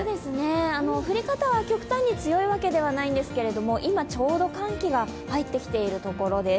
振り方は極端に強いわけじゃないんですけれども、今ちょうど寒気が入ってきているところです。